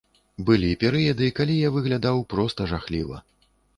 Былі перыяды, калі я выглядаў проста жахліва.